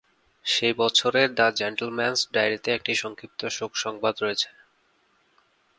সেই বছরের the gentleman's ডায়েরি-তে একটা সংক্ষিপ্ত শোকসংবাদ রয়েছে।